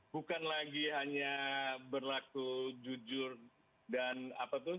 bukan lagi hanya berlaku jujur dan apa tuh